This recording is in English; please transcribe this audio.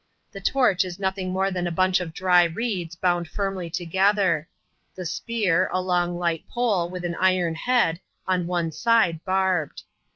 i The torch is nothing more than a bunch of dry reeds, bound firmly together; the spear, a long, light pole, with an iron head, on one side barbed.